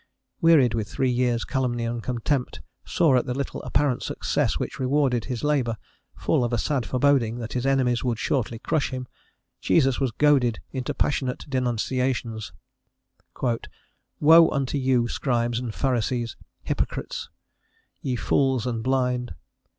Wearied with three years' calumny and contempt, sore at the little apparent success which rewarded his labour, full of a sad foreboding that his enemies would shortly crush him, Jesus was goaded into passionate denunciations: "Woe unto you, Scribes and Pharisees, hypocrites... ye fools and blind...